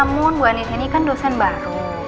namun bu anies ini kan dosen baru